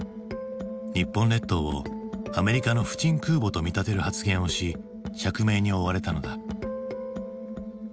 日本列島をアメリカの不沈空母と見立てる発言をし釈明に追われたのだ。